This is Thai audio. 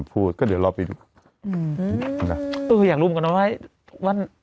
พูดก็เดี๋ยวรอไปดูอืมนะเอออยากรู้เหมือนกันเอาไว้วัน